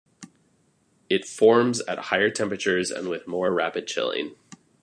It forms at higher temperatures and with more rapid chilling.